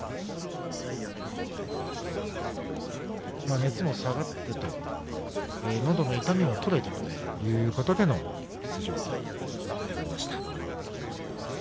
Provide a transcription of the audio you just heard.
熱も下がってのどの痛みも取れてということで出場になりました。